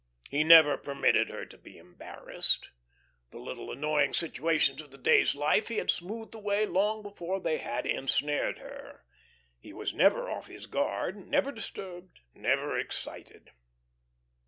He never permitted her to be embarrassed; the little annoying situations of the day's life he had smoothed away long before they had ensnared her. He never was off his guard, never disturbed, never excited.